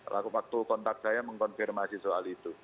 waktu kontak saya mengkonfirmasi soal itu